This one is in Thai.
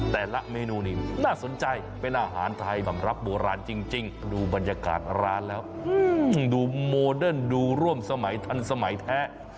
แต่ละเมนูนี่น่าสนใจเป็นอาหารไทยแบบรับโบราณจริงดูบรรยากาศร้านแล้วดูโมเดิร์นดูร่วมสมัยทันสมัยแท้